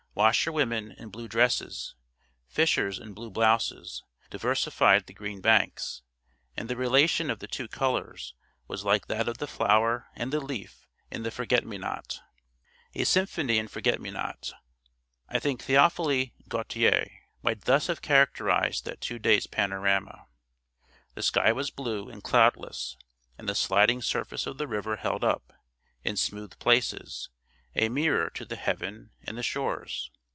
Washerwomen in blue dresses, fishers in blue blouses, diversified the green banks; and the relation of the two colours was like that of the flower and the leaf in the forget me not. A symphony in forget me not; I think Théophile Gautier might thus have characterised that two days' panorama. The sky was blue and cloudless; and the sliding surface of the river held up, in smooth places, a mirror to the heaven and the shores.